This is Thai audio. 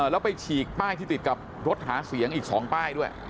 แล้วไปฉีกป้ายที่ติดกับรถหาเสียงอีก๒ป้ายด้วย